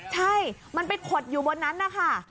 ใช่มันไปขดอยู่บนนั้นนะคะ